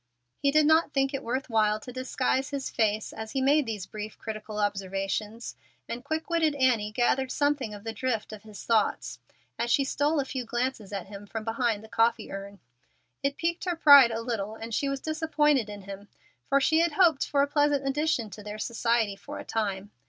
He did not think it worth while to disguise his face as he made these brief critical observations, and quick witted Annie gathered something of the drift of his thoughts, as she stole a few glances at him from behind the coffee urn. It piqued her pride a little, and she was disappointed in him, for she had hoped for a pleasant addition to their society for a time.